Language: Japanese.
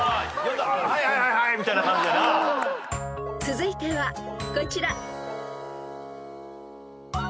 ［続いてはこちら］